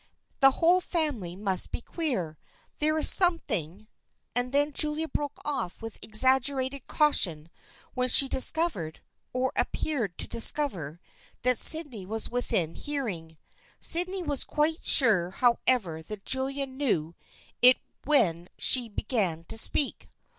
The whole family must be queer. There is something ——" and then Julia broke off with exaggerated caution when she discovered, or appeared to discover, that Sydney was within hearing. Sydney was quite sure how ever that Julia knew it when she began to speak.